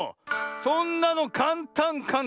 そんなのかんたんかんたん。